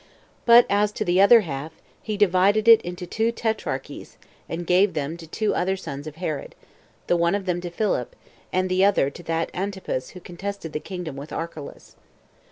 But as to the other half, he divided it into two tetrarchies, and gave them to two other sons of Herod, the one of them to Philip, and the other to that Antipas who contested the kingdom with Archelaus.